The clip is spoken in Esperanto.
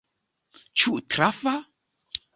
Ĉu trafa?